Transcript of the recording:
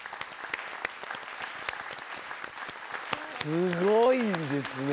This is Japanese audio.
すごいですね。